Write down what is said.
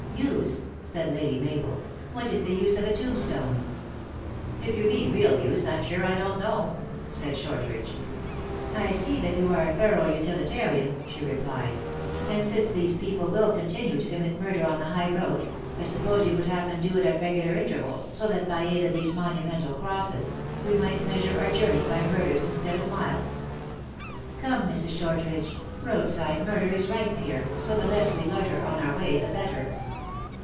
" Use !" said Lady Mabel, " what is the use of a tomb stone ?"" If you mean real use, I am sure I don t know," said Shortridge. "I see that you are a thorough utilitarian," she re plied; "and since these people will continue to com mit murder on the high road, I suppose you would 122 THE ACTRESS IN HIGH LIFE. have them do it at regular intervals, so that by aid of these monumental crosses we might measure our journey by murders instead of miles. Come, Mrs. Shortridge, road side murder is rife here, so the less we loiter on our way the better."